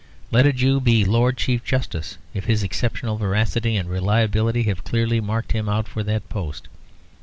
Let a Jew be Lord Chief justice, if his exceptional veracity and reliability have clearly marked him out for that post.